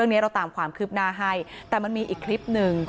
ไม่ให้ตรวจได้สิมันมีอีกแล้วค่ะ